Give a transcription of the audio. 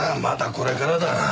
まだこれからだ。